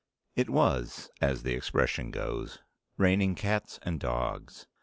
_ It was, as the expression goes, raining cats and dogs.